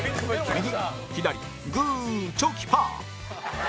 右左グーチョキパー